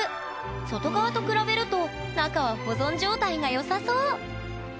外側と比べると中は保存状態が良さそう。